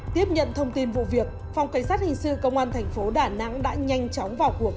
tiếp nhận thông tin vụ việc phòng cảnh sát hình sư công an tp đà nẵng đã nhanh chóng vào cuộc